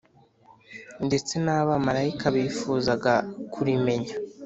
Ndetse n abamarayika bifuzaga kurimenya